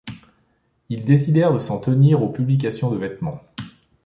Ils décidèrent de s’en tenir aux publications de vêtements.